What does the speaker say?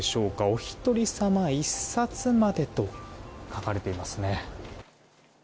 お一人様１冊までと書かれていますね。